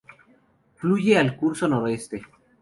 Fluye al curso noroeste.